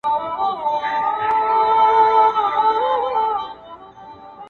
o خو دا چي فريادي بېچارگى ورځيني هېــر سـو.